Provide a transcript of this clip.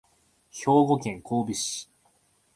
兵庫県神戸市